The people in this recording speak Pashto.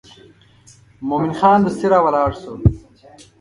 مومن خان دستي راولاړ شو.